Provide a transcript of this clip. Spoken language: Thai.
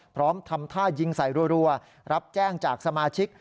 ทำท่ายิงใส่รัวรับแจ้งจากสมาชิก